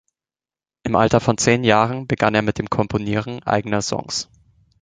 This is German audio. Im Alter von zehn Jahren begann er mit dem Komponieren eigener Songs.